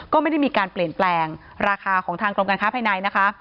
ก็ไม่ได้มีการเปลี่ยนแปลงราคาของทางกรมการค้าภายในนะคะ